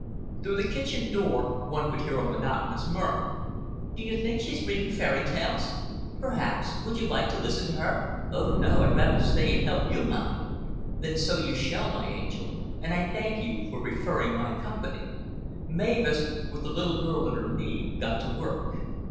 Through the kitchen door one could hear a monotonous murmur. "D'you think she's reading fairy tales?" "Perhaps. Would you like to listen to her?" "Oh, no. I'd sooner stay and help you, Mummy." "Then so you shall, my angel; and I thank you for preferring my company." Mavis, with the little girl at her knee, got to work.